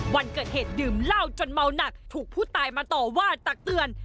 วันเกิดเหตุดื่มเหล้าจนเมาหนักถูกผู้ตายมาต่อว่าตักเตือน